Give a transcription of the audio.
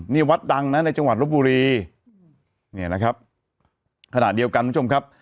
นี่วัดดังนะในจังหวัดลบบุรีเนี่ยนะครับขณะเดียวกันคุณผู้ชมครับ